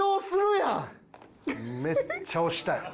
めっちゃ押したい。